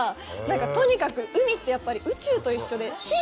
とにかく海ってやっぱり宇宙と一緒で。